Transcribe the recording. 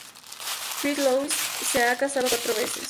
Christian Louis se ha casado cuatro veces.